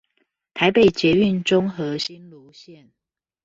臺北捷運中和新蘆線